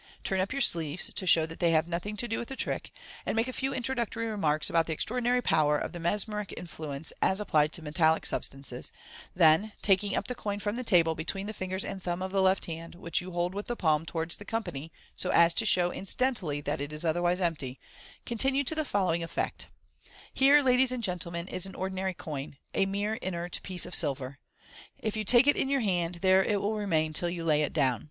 Turn up your sleeves, to show that they have nothing to do with the trick, and make a few introductory remarks about the extraordinary power of the mesmeric influence as applied to metallic substances > then, taking up the coin from the table be tween the fingers and thumb of the left hand, whie 1 you hold with the palm towards the company, so as to show incidentally that it is otherwise empty, continue to the following effect :—" Here, ladies and gentlemen, is an ordinary coin, a mere inert piece of silver. If MODERN MA GIC. 173 fou take it in your hand, there it will remain till yon lay it down.